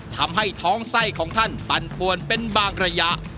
ทำให้ท้องไส้ของท่านปั่นปวนเป็นบางระยะ